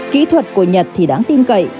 kỹ thuật của nhật thì đáng tin cậy